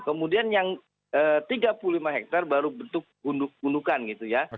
kemudian yang tiga puluh lima hektare baru bentuk gundukan gitu ya